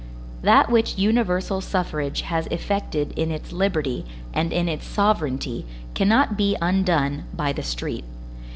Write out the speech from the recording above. That which universal suffrage has effected in its liberty and in its sovereignty cannot be undone by the street.